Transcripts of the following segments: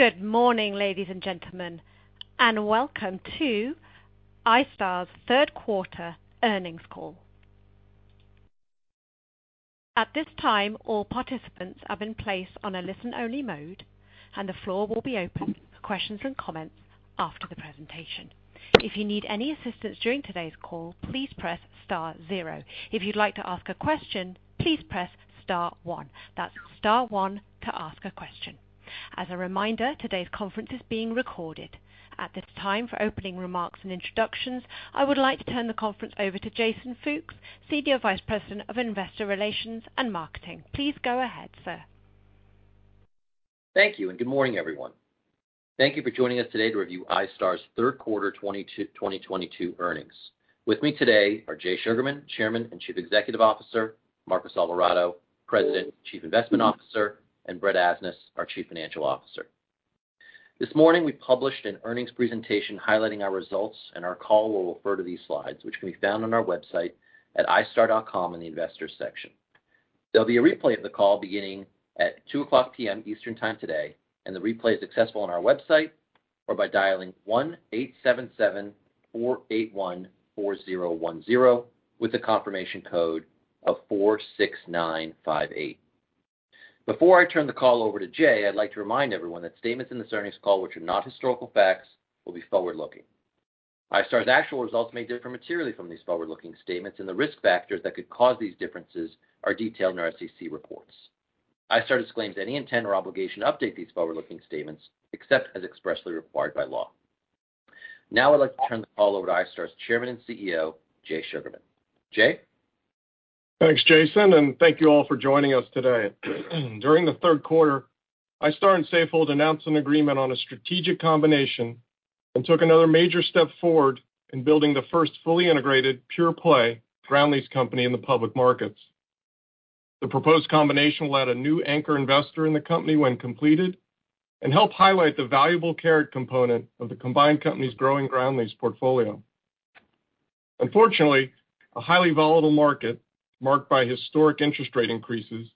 Good morning, ladies and gentlemen, and welcome to iStar's third quarter earnings call. At this time, all participants have been placed on a listen-only mode, and the floor will be open for questions and comments after the presentation. If you need any assistance during today's call, please press star zero. If you'd like to ask a question, please press star one. That's star one to ask a question. As a reminder, today's conference is being recorded. At this time, for opening remarks and introductions, I would like to turn the conference over to Jason Fooks, Senior Vice President of Investor Relations and Marketing. Please go ahead, sir. Thank you, and good morning, everyone. Thank you for joining us today to review iStar's third quarter 2022 earnings. With me today are Jay Sugarman, Chairman and Chief Executive Officer, Marcos Alvarado, President and Chief Investment Officer, and Brett Asnas, our Chief Financial Officer. This morning we published an earnings presentation highlighting our results, and our call will refer to these slides, which can be found on our website at istar.com in the investors section. There'll be a replay of the call beginning at 2:00 P.M. Eastern Time today, and the replay is accessible on our website or by dialing 1-877-481-4010 with a confirmation code of 46958. Before I turn the call over to Jay, I'd like to remind everyone that statements in this earnings call which are not historical facts will be forward-looking. iStar's actual results may differ materially from these forward-looking statements, and the risk factors that could cause these differences are detailed in our SEC reports. iStar disclaims any intent or obligation to update these forward-looking statements except as expressly required by law. Now I'd like to turn the call over to iStar's Chairman and CEO, Jay Sugarman. Jay. Thanks, Jason, and thank you all for joining us today. During the third quarter, iStar and Safehold announced an agreement on a strategic combination and took another major step forward in building the first fully integrated pure-play ground lease company in the public markets. The proposed combination will add a new anchor investor in the company when completed and help highlight the valuable carried component of the combined company's growing ground lease portfolio. Unfortunately, a highly volatile market marked by historic interest rate increases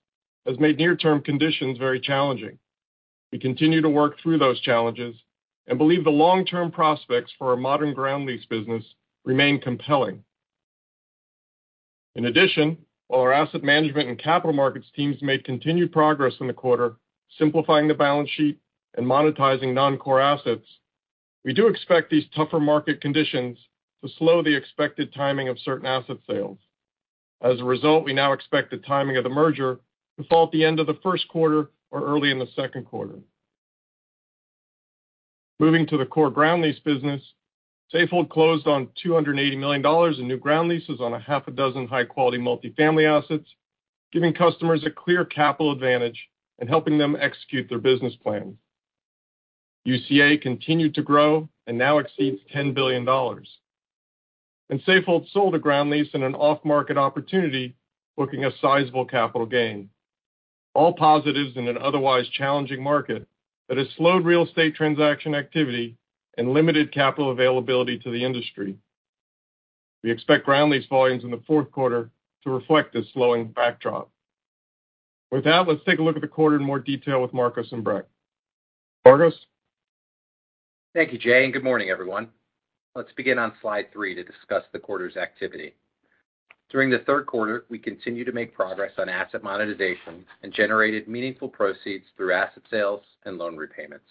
has made near-term conditions very challenging. We continue to work through those challenges and believe the long-term prospects for our modern ground lease business remain compelling. In addition, while our asset management and capital markets teams made continued progress in the quarter simplifying the balance sheet and monetizing non-core assets, we do expect these tougher market conditions to slow the expected timing of certain asset sales. As a result, we now expect the timing of the merger to fall at the end of the first quarter or early in the second quarter. Moving to the core ground lease business, Safehold closed on $280 million in new ground leases on six high-quality multi-family assets, giving customers a clear capital advantage and helping them execute their business plans. UCA continued to grow and now exceeds $10 billion. Safehold sold a ground lease in an off-market opportunity, booking a sizable capital gain. All positives in an otherwise challenging market that has slowed real estate transaction activity and limited capital availability to the industry. We expect ground lease volumes in the fourth quarter to reflect this slowing backdrop. With that, let's take a look at the quarter in more detail with Marcos and Brett. Marcos. Thank you, Jay, and good morning, everyone. Let's begin on slide 3 to discuss the quarter's activity. During the third quarter, we continued to make progress on asset monetization and generated meaningful proceeds through asset sales and loan repayments.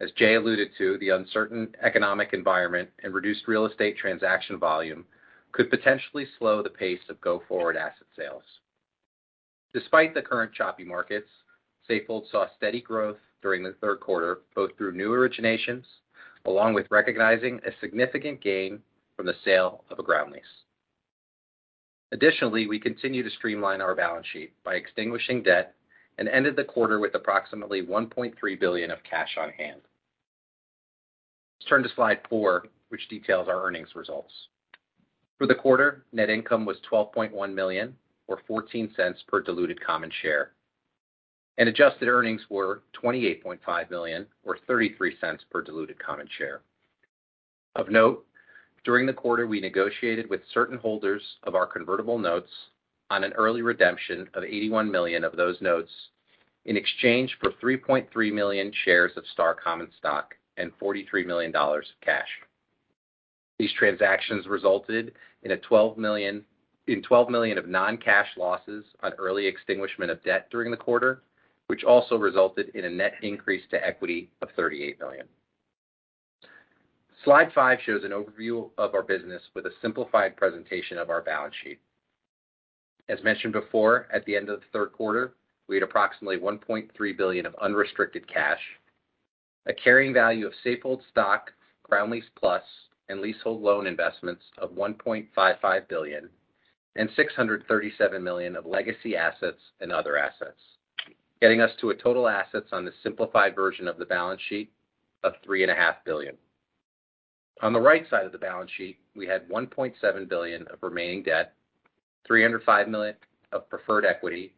As Jay alluded to, the uncertain economic environment and reduced real estate transaction volume could potentially slow the pace of go-forward asset sales. Despite the current choppy markets, Safehold saw steady growth during the third quarter, both through new originations along with recognizing a significant gain from the sale of a ground lease. Additionally, we continue to streamline our balance sheet by extinguishing debt and ended the quarter with approximately $1.3 billion of cash on hand. Let's turn to slide 4, which details our earnings results. For the quarter, net income was $12.1 million or $0.14 per diluted common share. Adjusted earnings were $28.5 million or $0.33 per diluted common share. Of note, during the quarter, we negotiated with certain holders of our convertible notes on an early redemption of $81 million of those notes in exchange for 3.3 million shares of Star common stock and $43 million of cash. These transactions resulted in $12 million of non-cash losses on early extinguishment of debt during the quarter, which also resulted in a net increase to equity of $38 million. Slide 5 shows an overview of our business with a simplified presentation of our balance sheet. As mentioned before, at the end of the third quarter, we had approximately $1.3 billion of unrestricted cash, a carrying value of Safehold stock, Ground Lease Plus and leasehold loan investments of $1.55 billion and $637 million of legacy assets and other assets, getting us to a total assets on the simplified version of the balance sheet of $3.5 billion. On the right side of the balance sheet, we had $1.7 billion of remaining debt, $305 million of preferred equity,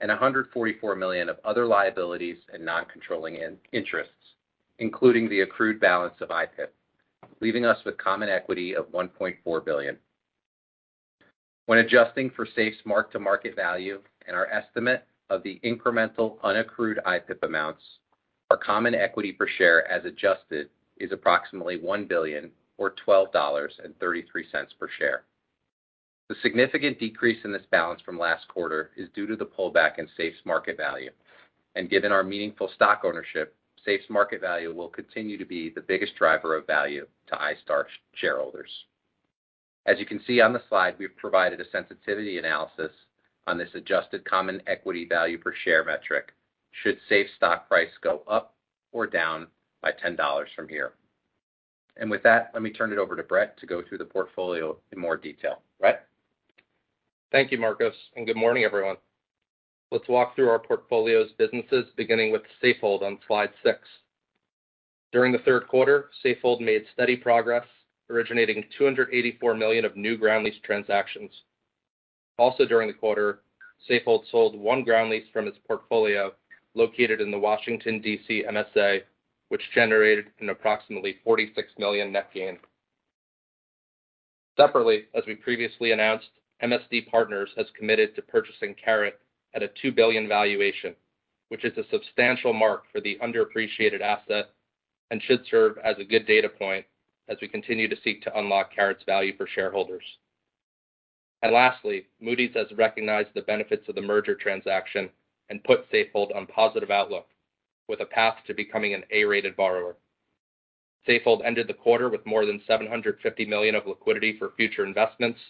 and $144 million of other liabilities and non-controlling interests, including the accrued balance of IPIP, leaving us with common equity of $1.4 billion. When adjusting for SAFE's mark-to-market value and our estimate of the incremental unaccrued IPO amounts, our common equity per share as adjusted is approximately $1 billion or $12.33 per share. The significant decrease in this balance from last quarter is due to the pullback in SAFE's market value. Given our meaningful stock ownership, SAFE's market value will continue to be the biggest driver of value to iStar shareholders. As you can see on the slide, we've provided a sensitivity analysis on this adjusted common equity value per share metric should SAFE stock price go up or down by $10 from here. With that, let me turn it over to Brett to go through the portfolio in more detail. Brett? Thank you, Marcos, and good morning, everyone. Let's walk through our portfolio's businesses, beginning with Safehold on Slide 6. During the third quarter, Safehold made steady progress, originating $284 million of new ground lease transactions. Also during the quarter, Safehold sold one ground lease from its portfolio located in the Washington, D.C., MSA, which generated an approximately $46 million net gain. Separately, as we previously announced, MSD Partners has committed to purchasing CARET at a $2 billion valuation, which is a substantial mark for the underappreciated asset and should serve as a good data point as we continue to seek to unlock CARET's value for shareholders. Lastly, Moody's has recognized the benefits of the merger transaction and put Safehold on positive outlook with a path to becoming an A-rated borrower. Safehold ended the quarter with more than $750 million of liquidity for future investments.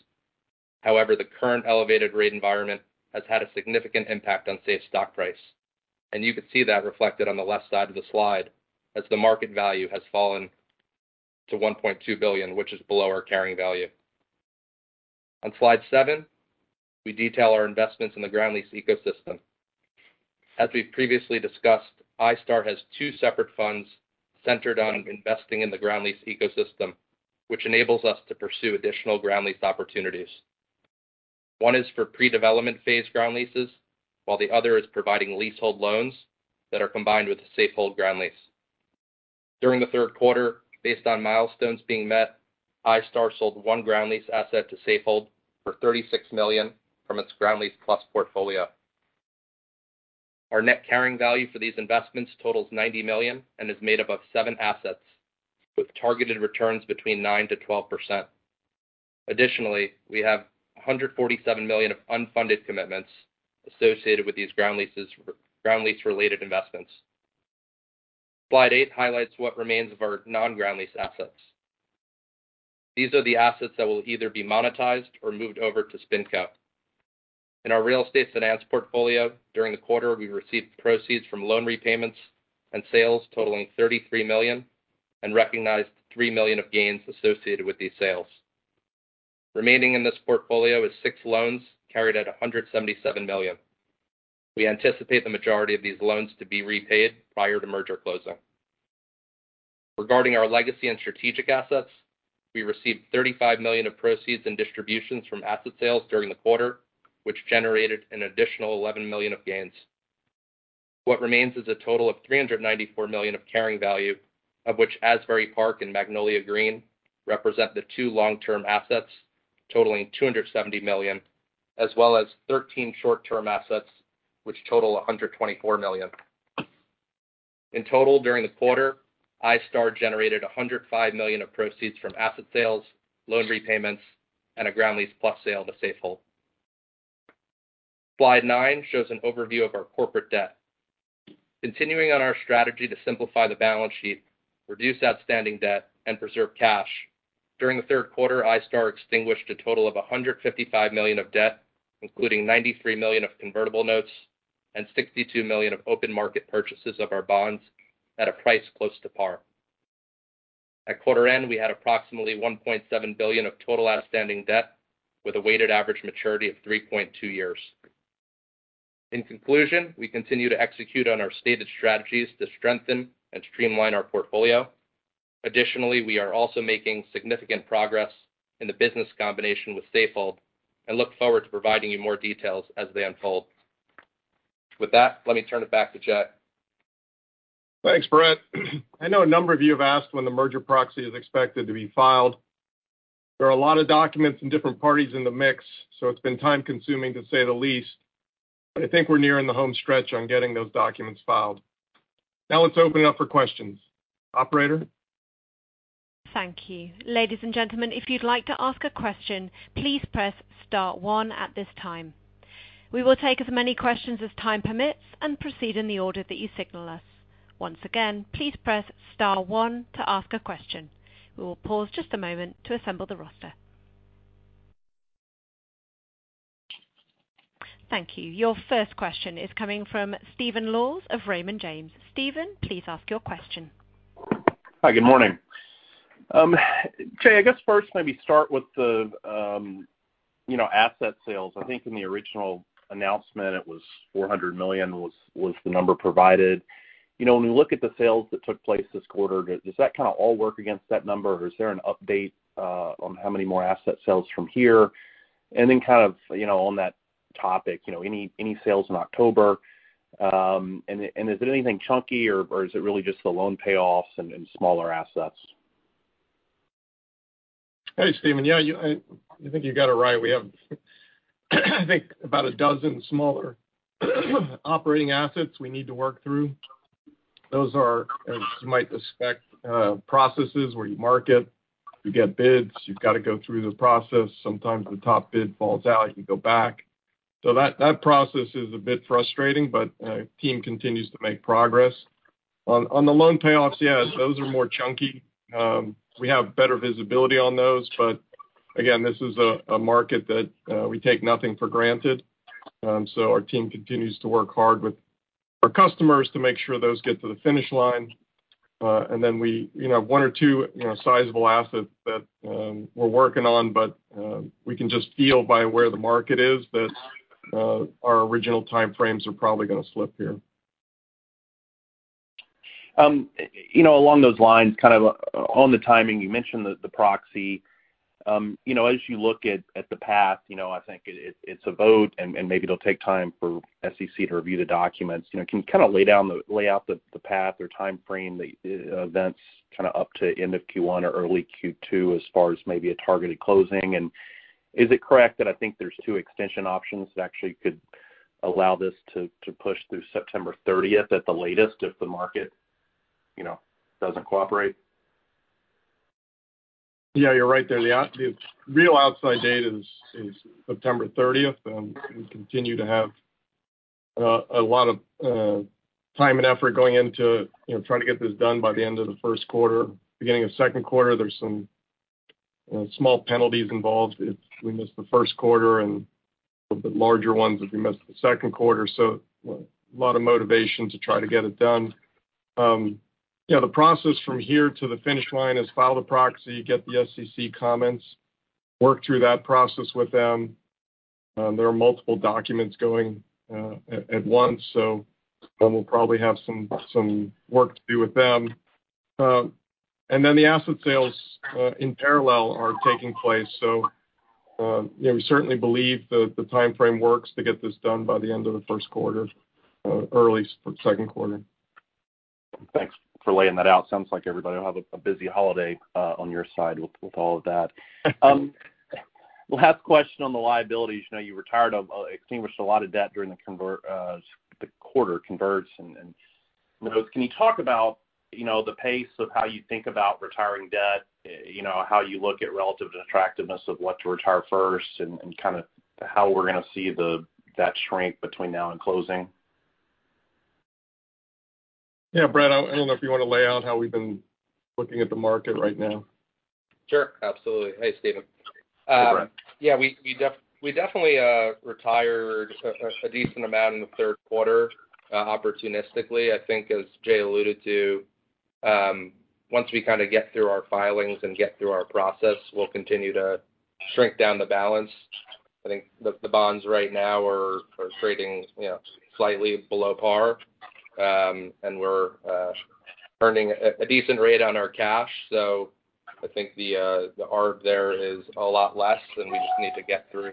However, the current elevated rate environment has had a significant impact on SAFE stock price, and you can see that reflected on the left side of the slide as the market value has fallen to $1.2 billion, which is below our carrying value. On slide 7, we detail our investments in the ground lease ecosystem. As we've previously discussed, iStar has two separate funds centered on investing in the ground lease ecosystem, which enables us to pursue additional ground lease opportunities. One is for pre-development phase ground leases, while the other is providing leasehold loans that are combined with Safehold ground lease. During the third quarter, based on milestones being met, iStar sold one ground lease asset to Safehold for $36 million from its Ground Lease Plus portfolio. Our net carrying value for these investments totals $90 million and is made up of seven assets with targeted returns between 9% to 12%. Additionally, we have $147 million of unfunded commitments associated with these ground leases, ground lease-related investments. Slide 8 highlights what remains of our non-ground lease assets. These are the assets that will either be monetized or moved over to SpinCo. In our real estate finance portfolio, during the quarter, we received proceeds from loan repayments and sales totaling $33 million and recognized $3 million of gains associated with these sales. Remaining in this portfolio is six loans carried at $177 million. We anticipate the majority of these loans to be repaid prior to merger closing. Regarding our legacy and strategic assets, we received $35 million of proceeds and distributions from asset sales during the quarter, which generated an additional $11 million of gains. What remains is a total of $394 million of carrying value, of which Asbury Park and Magnolia Green represent the two long-term assets, totaling $270 million, as well as 13 short-term assets, which total $124 million. In total, during the quarter, iStar generated $105 million of proceeds from asset sales, loan repayments, and a Ground Lease Plus sale to Safehold. Slide 9 shows an overview of our corporate debt. Continuing on our strategy to simplify the balance sheet, reduce outstanding debt and preserve cash, during the third quarter, iStar extinguished a total of $155 million of debt, including $93 million of convertible notes and $62 million of open market purchases of our bonds at a price close to par. At quarter end, we had approximately $1.7 billion of total outstanding debt with a weighted average maturity of 3.2 years. In conclusion, we continue to execute on our stated strategies to strengthen and streamline our portfolio. Additionally, we are also making significant progress in the business combination with Safehold and look forward to providing you more details as they unfold. With that, let me turn it back to Jay. Thanks, Brett. I know a number of you have asked when the merger proxy is expected to be filed. There are a lot of documents and different parties in the mix, so it's been time-consuming to say the least, but I think we're nearing the home stretch on getting those documents filed. Now let's open it up for questions. Operator? Thank you. Ladies and gentlemen, if you'd like to ask a question, please press star one at this time. We will take as many questions as time permits and proceed in the order that you signal us. Once again, please press star one to ask a question. We will pause just a moment to assemble the roster. Thank you. Your first question is coming from Stephen Laws of Raymond James. Stephen, please ask your question. Hi, good morning. Jay, I guess first maybe start with the you know, asset sales. I think in the original announcement it was $400 million was the number provided. You know, when we look at the sales that took place this quarter, does that kind of all work against that number, or is there an update on how many more asset sales from here? Kind of, you know, on that topic, you know, any sales in October, and is it anything chunky or is it really just the loan payoffs and smaller assets? Hey, Stephen. Yeah, I think you got it right. We have, I think, about a dozen smaller operating assets we need to work through. Those are, as you might expect, processes where you market, you get bids, you've gotta go through the process. Sometimes the top bid falls out, you go back. That process is a bit frustrating, but our team continues to make progress. On the loan payoffs, yes, those are more chunky. We have better visibility on those. Again, this is a market that we take nothing for granted. Our team continues to work hard with our customers to make sure those get to the finish line. You know, one or two, you know, sizable assets that we're working on, but we can just feel by where the market is that our original time frames are probably gonna slip here. You know, along those lines, kind of on the timing, you mentioned the proxy. You know, as you look at the path, you know, I think it's a vote and maybe it'll take time for SEC to review the documents. You know, can you kinda lay out the path or timeframe, the events kinda up to end of Q1 or early Q2 as far as maybe a targeted closing? Is it correct that I think there's two extension options that actually could allow this to push through September 30, at the latest if the market, you know, doesn't cooperate? Yeah, you're right there. The real outside date is September thirtieth. We continue to have a lot of time and effort going into, you know, trying to get this done by the end of the first quarter. Beginning of second quarter, there's some, you know, small penalties involved if we miss the first quarter, and a bit larger ones if we miss the second quarter. A lot of motivation to try to get it done. Yeah, the process from here to the finish line is file the proxy, get the SEC comments, work through that process with them. There are multiple documents going at once, so we'll probably have some work to do with them. The asset sales in parallel are taking place. You know, we certainly believe the timeframe works to get this done by the end of the first quarter, early second quarter. Thanks for laying that out. Sounds like everybody will have a busy holiday on your side with all of that. Last question on the liabilities. You know, you retired extinguished a lot of debt during the quarter converts and notes. Can you talk about, you know, the pace of how you think about retiring debt? You know, how you look at relative to attractiveness of what to retire first and kinda how we're gonna see that shrink between now and closing? Yeah, Brett, I don't know if you wanna lay out how we've been looking at the market right now. Sure. Absolutely. Hey, Stephen. Hey, Brett. Yeah, we definitely retired a decent amount in the third quarter opportunistically. I think as Jay alluded to, once we kinda get through our filings and get through our process, we'll continue to shrink down the balance. I think the bonds right now are trading, you know, slightly below par, and we're earning a decent rate on our cash. I think the arb there is a lot less, and we just need to get through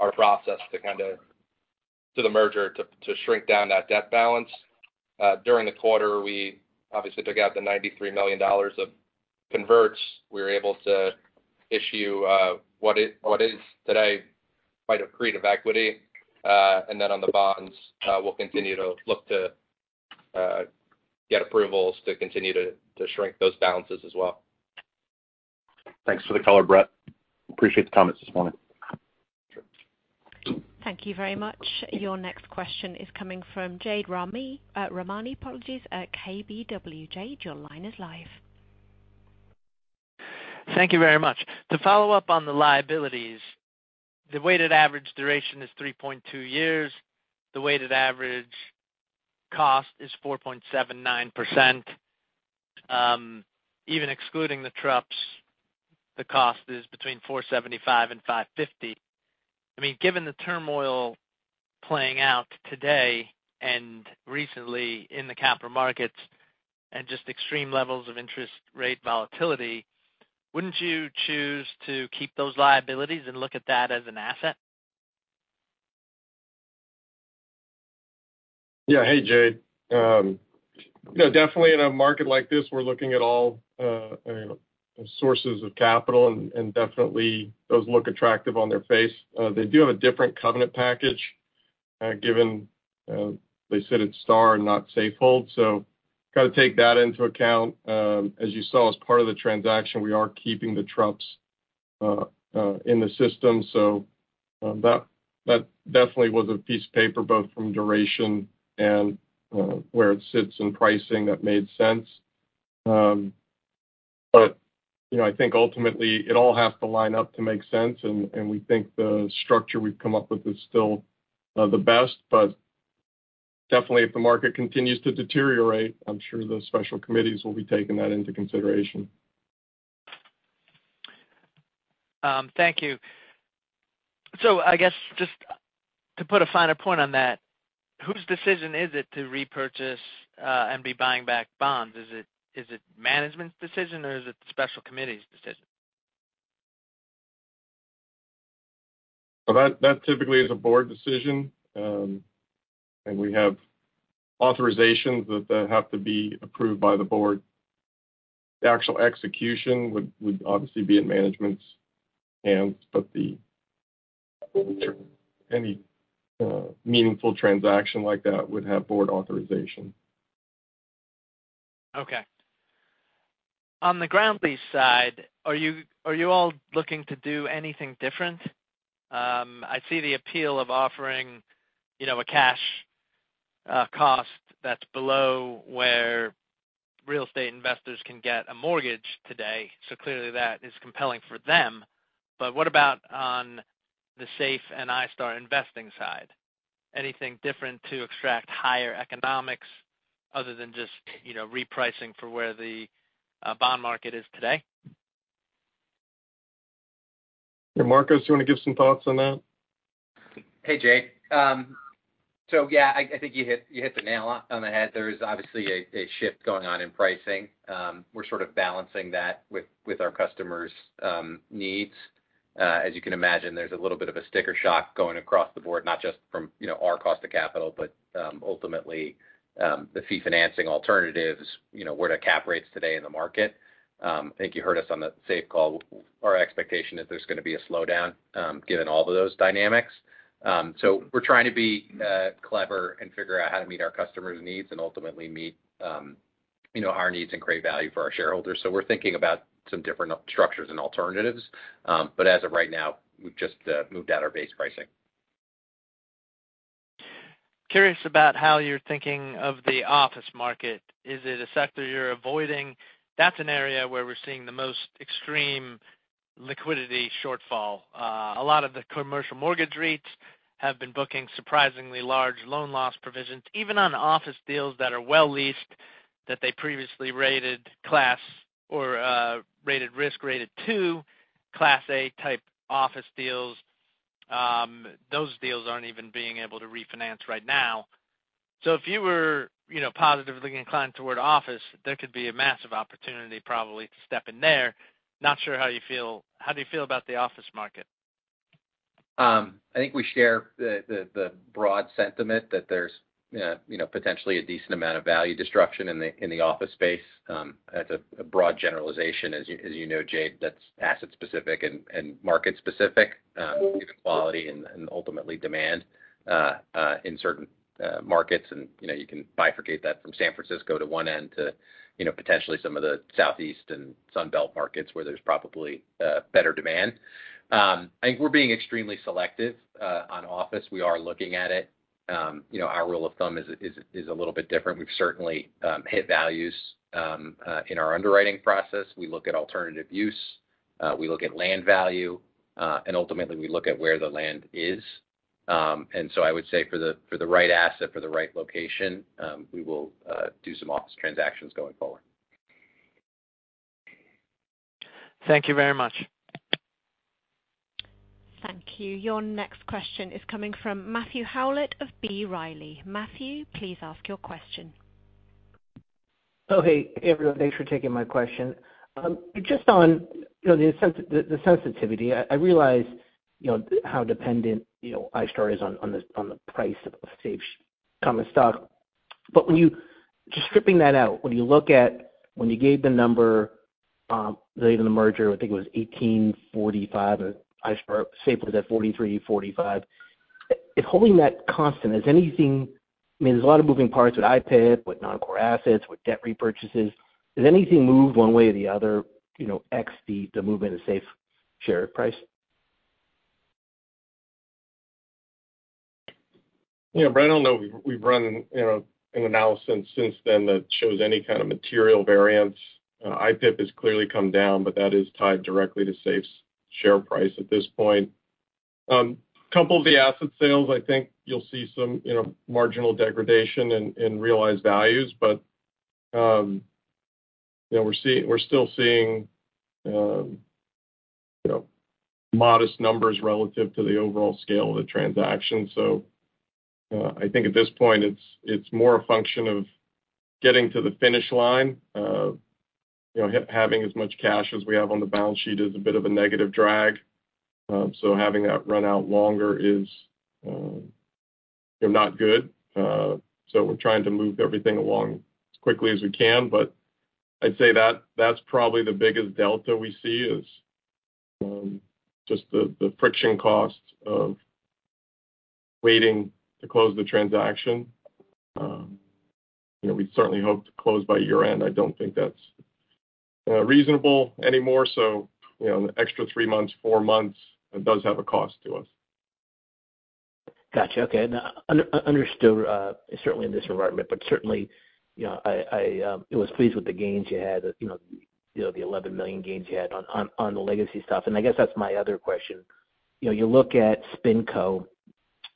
our process to kinda to the merger to shrink down that debt balance. During the quarter, we obviously took out the $93 million of converts. We were able to issue what is today quite a creative equity. On the bonds, we'll continue to look to get approvals to continue to shrink those balances as well. Thanks for the color, Brett. Appreciate the comments this morning. Sure. Thank you very much. Your next question is coming from Jade Rahmani, KBW. Your line is live. Thank you very much. To follow up on the liabilities, the weighted average duration is 3.2 years. The weighted average cost is 4.79%. Even excluding the TruPS the cost is between 4.75% and 5.50%. I mean, given the turmoil playing out today and recently in the capital markets and just extreme levels of interest rate volatility, wouldn't you choose to keep those liabilities and look at that as an asset? Yeah. Hey, Jade. You know, definitely in a market like this, we're looking at all sources of capital and definitely those look attractive on their face. They do have a different covenant package, given they said it's iStar and not Safehold. Gotta take that into account. As you saw as part of the transaction, we are keeping the TruPS in the system. That definitely was a piece of paper, both from duration and where it sits in pricing that made sense. You know, I think ultimately it all has to line up to make sense, and we think the structure we've come up with is still the best. Definitely if the market continues to deteriorate, I'm sure the special committees will be taking that into consideration. Thank you. I guess just to put a finer point on that, whose decision is it to repurchase and be buying back bonds? Is it management's decision or is it the special committee's decision? That typically is a board decision. We have authorizations that have to be approved by the board. The actual execution would obviously be in management's hands, but any meaningful transaction like that would have board authorization. Okay. On the ground lease side, are you all looking to do anything different? I see the appeal of offering, you know, a cash cost that's below where real estate investors can get a mortgage today. Clearly that is compelling for them. What about on the SAFE and iStar investing side? Anything different to extract higher economics other than just, you know, repricing for where the bond market is today? Yeah, Marcos, you wanna give some thoughts on that? Hey, Jay. Yeah, I think you hit the nail on the head. There is obviously a shift going on in pricing. We're sort of balancing that with our customers' needs. As you can imagine, there's a little bit of a sticker shock going across the board, not just from, you know, our cost of capital, but ultimately the fee financing alternatives, you know, where to cap rates today in the market. I think you heard us on the SAFE call. Our expectation is there's gonna be a slowdown given all of those dynamics. We're trying to be clever and figure out how to meet our customers' needs and ultimately meet, you know, our needs and create value for our shareholders. We're thinking about some different structures and alternatives. As of right now, we've just moved out our base pricing. Curious about how you're thinking of the office market. Is it a sector you're avoiding? That's an area where we're seeing the most extreme liquidity shortfall. A lot of the commercial mortgage REITs have been booking surprisingly large loan loss provisions, even on office deals that are well leased that they previously rated Class A or risk rated two, Class A type office deals. Those deals aren't even being able to refinance right now. If you were, you know, positively inclined toward office, there could be a massive opportunity probably to step in there. Not sure how you feel. How do you feel about the office market? I think we share the broad sentiment that there's you know, potentially a decent amount of value destruction in the office space, as a broad generalization. As you know, Jay, that's asset specific and market specific, given quality and ultimately demand in certain markets. You know, you can bifurcate that from San Francisco to one end to you know, potentially some of the southeast and Sun Belt markets where there's probably better demand. I think we're being extremely selective on office. We are looking at it. You know, our rule of thumb is a little bit different. We've certainly hit values in our underwriting process. We look at alternative use, we look at land value, and ultimately we look at where the land is. I would say for the right asset, for the right location, we will do some office transactions going forward. Thank you very much. Thank you. Your next question is coming from Matthew Howlett of B. Riley. Matthew, please ask your question. Oh, hey, everyone. Thanks for taking my question. Just on, you know, the sensitivity, I realize, you know, how dependent, you know, iStar is on the price of SAFE common stock. Just stripping that out, when you look at when you gave the number related to the merger, I think it was $18.45, or iStar, SAFE was at $43.45. If holding that constant, has anything. I mean, there's a lot of moving parts with IPIP, with non-core assets, with debt repurchases. Has anything moved one way or the other, you know, except the movement of SAFE share price? You know, Matthew Howlett, I don't know if we've run, you know, an analysis since then that shows any kind of material variance. IPIP has clearly come down, but that is tied directly to SAFE's share price at this point. Couple of the asset sales, I think you'll see some, you know, marginal degradation in realized values. You know, we're still seeing, you know, modest numbers relative to the overall scale of the transaction. I think at this point it's more a function of getting to the finish line. You know, having as much cash as we have on the balance sheet is a bit of a negative drag. Having that run out longer is, you know, not good. We're trying to move everything along as quickly as we can, but I'd say that's probably the biggest delta we see is just the friction costs of waiting to close the transaction. You know, we certainly hope to close by year-end. I don't think that's reasonable anymore. You know, an extra three months, four months, it does have a cost to us. Gotcha. Okay. Now, understood, certainly in this environment, but certainly, you know, I was pleased with the gains you had, you know, the $11 million gains you had on the legacy stuff. I guess that's my other question. You know, you look at SpinCo,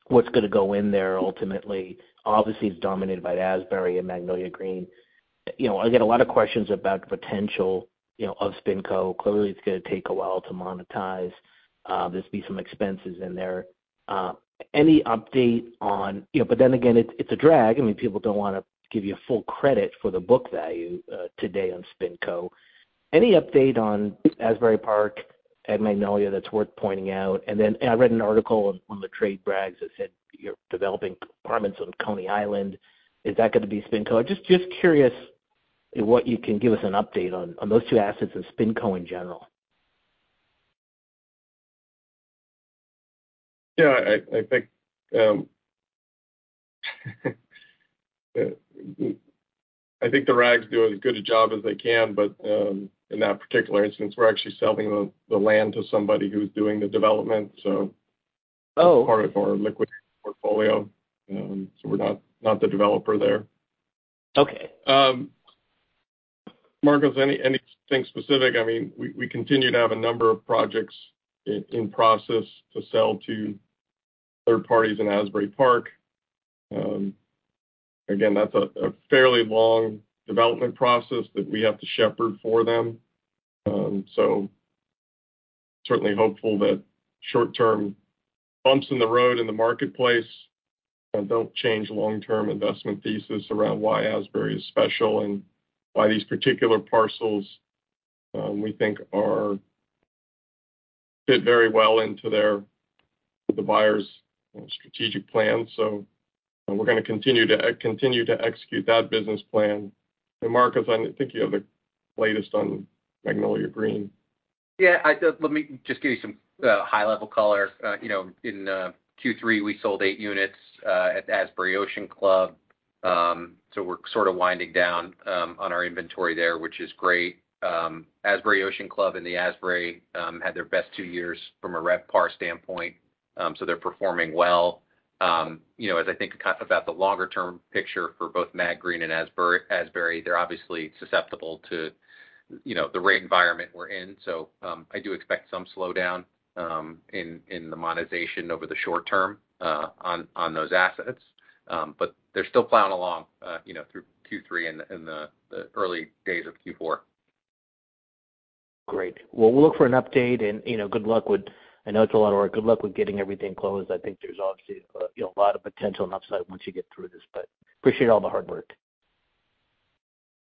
what's gonna go in there ultimately, obviously it's dominated by Asbury and Magnolia Green. You know, I get a lot of questions about the potential, you know, of SpinCo. Clearly, it's gonna take a while to monetize. There'll be some expenses in there. Any update on, you know, but then again, it's a drag. I mean, people don't wanna give you full credit for the book value today on SpinCo. Any update on Asbury Park and Magnolia that's worth pointing out? I read an article on the trade rags that said you're developing apartments on Coney Island. Is that gonna be SpinCo? Just curious what you can give us an update on those two assets and SpinCo in general. Yeah, I think the regs do as good a job as they can, but in that particular instance, we're actually selling the land to somebody who's doing the development so part of our liquid portfolio. We're not the developer there. Okay. Marcos, anything specific? I mean, we continue to have a number of projects in process to sell to third parties in Asbury Park. Again, that's a fairly long development process that we have to shepherd for them. Certainly hopeful that short-term bumps in the road in the marketplace don't change long-term investment thesis around why Asbury is special and why these particular parcels we think are fit very well into the buyer's strategic plan. We're gonna continue to execute that business plan. Marcos, I think you have the latest on Magnolia Green. Yeah. Let me just give you some high-level color. You know, in Q3, we sold eight units at the Asbury Ocean Club. We're sort of winding down on our inventory there, which is great. Asbury Ocean Club and the Asbury had their best two years from a RevPAR standpoint. They're performing well. You know, as I think kind of about the longer term picture for both Mag Green and Asbury, they're obviously susceptible to you know, the rate environment we're in. I do expect some slowdown in the monetization over the short term on those assets. They're still plowing along you know, through Q3 and the early days of Q4. Great. Well, we'll look for an update and, you know, good luck with. I know it's a lot of work. Good luck with getting everything closed. I think there's obviously, you know, a lot of potential and upside once you get through this, but appreciate all the hard work.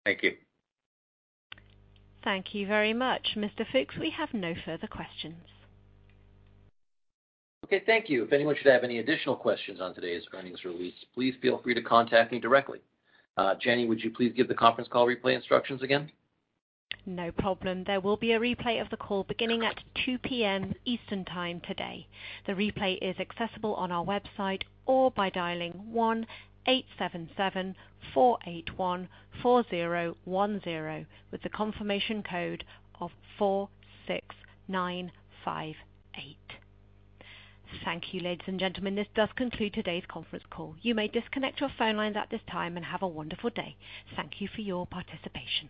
Thank you. Thank you very much. Mr. Fooks, we have no further questions. Okay, thank you. If anyone should have any additional questions on today's earnings release, please feel free to contact me directly. Jenny, would you please give the conference call replay instructions again? No problem. There will be a replay of the call beginning at 2:00 P.M. Eastern time today. The replay is accessible on our website or by dialing 1-877-481-4010, with a confirmation code of 46958. Thank you, ladies and gentlemen. This does conclude today's conference call. You may disconnect your phone lines at this time and have a wonderful day. Thank you for your participation.